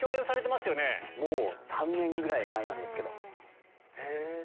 ３年ぐらい前なんですけど。